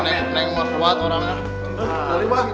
neng mah kuat orangnya